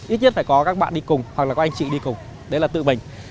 ít nhất phải có các bạn đi cùng hoặc là các anh chị đi cùng đấy là tự mình